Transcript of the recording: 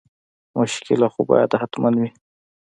مشکله خو باید حتما وي.